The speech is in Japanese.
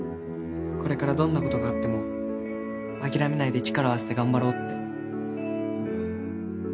これからどんな事があっても諦めないで力を合わせて頑張ろうって。